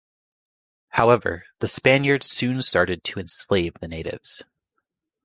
However, the Spaniards soon started to enslave the natives.